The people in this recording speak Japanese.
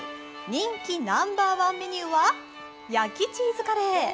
人気ナンバーワンメニューは、焼きチーズカレー。